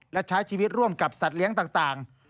และใช้ชีวิตร่วมกับสัตว์เลี้ยงต่าง